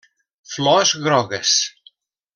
Flors grogues.